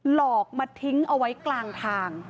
หลอกมาทิ้งเอาไว้กลางทาง